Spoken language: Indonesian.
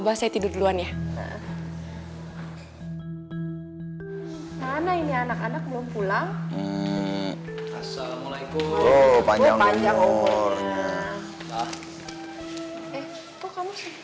ibu abah saya tidur duluan ya nah mana ini anak anak belum pulang assalamualaikum panjang